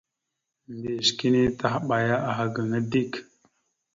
Mbiyez kini tahaɓaya aha gaŋa dik.